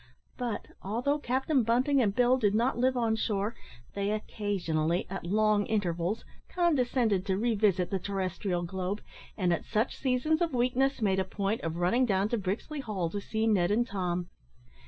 But, although Captain Bunting and Bill did not live on shore, they occasionally, at long intervals, condescended to revisit the terrestrial globe, and, at such seasons of weakness, made a point of running down to Brixley Hall to see Ned and Tom.